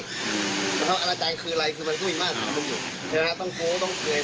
ร้านกาแฟเราอร่อยร้านกาแฟเราดีกว่าร้านกาแฟเฟรนชาย